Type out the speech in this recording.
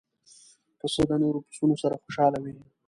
پسه د نور پسونو سره خوشاله وي.